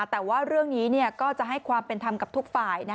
แต่ว่าเรื่องนี้ก็จะให้ความเป็นธรรมกับทุกฝ่าย